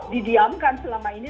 didiamkan selama ini